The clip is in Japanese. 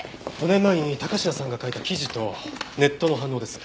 ５年前に高階さんが書いた記事とネットの反応です。